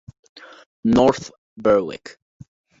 North Berwick